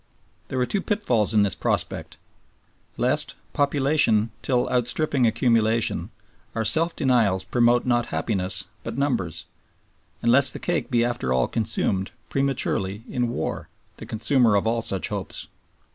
There were two pitfalls in this prospect: lest, population still outstripping accumulation, our self denials promote not happiness but numbers; and lest the cake be after all consumed, prematurely, in war, the consumer of all such hopes.